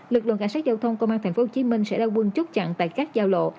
lực lượng cảnh sát giao thông công an tp hcm sẽ ra quân chốt chặn tại các giao lộ